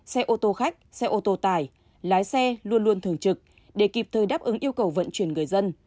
xe ô tô khách xe ô tô tải lái xe luôn luôn thường trực để kịp thời đáp ứng yêu cầu vận chuyển người dân